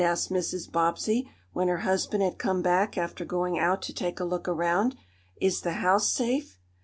asked Mrs. Bobbsey, when her husband had come back after going out to take a look around. "Is the house safe?"